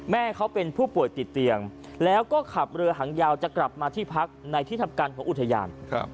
แม่เขาเป็นผู้ป่วยติดเตียงแล้วก็ขับเรือหางยาวจะกลับมาที่พักในที่ทำการของอุทยาน